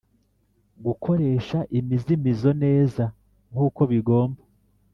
gukoresha imizimizo neza nkuko bigomba